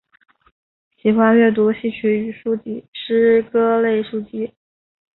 喜欢阅读戏曲与诗歌类书籍。